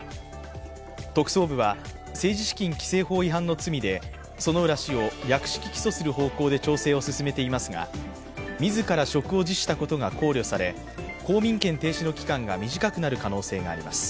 特捜部は、政治資金規正法違反の罪で薗浦氏を略式起訴する方向で調整を進めていますが、自ら職を辞したことが考慮され、公民権停止の期間が短くなる可能性があります。